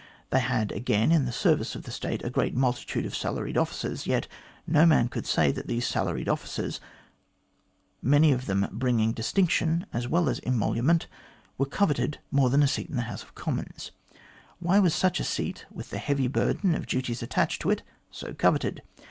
They had, again, in the service of the State a great multitude of salaried offices; yet no man could say that these salaried offices, many of them bringing distinction as well as emolument, were coveted more than a seat in the House of Commons. "Why was such a seat, with the heavy burden of duties attached to it, so coveted